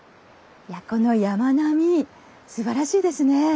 いやこの山並みすばらしいですね。